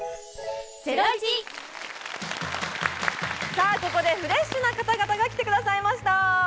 さあここでフレッシュな方々が来てくださいました。